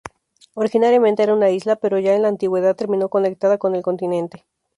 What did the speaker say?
Originariamente era una isla, pero ya en la Antigüedad terminó conectada con el continente.